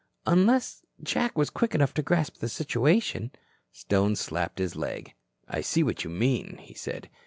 "Unless Jack was quick enough to grasp the situation." Stone slapped his leg. "I see what you mean," he said.